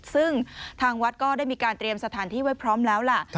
ซึ่งทางวัดก็ได้มีการเตรียมสถานที่ไว้พร้อมแล้วล่ะ